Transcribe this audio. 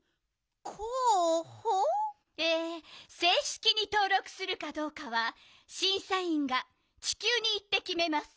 「えせいしきにとうろくするかどうかはしんさいんがちきゅうにいってきめます」。